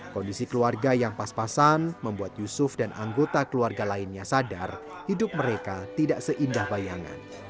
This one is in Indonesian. kondisi keluarga yang pas pasan membuat yusuf dan anggota keluarga lainnya sadar hidup mereka tidak seindah bayangan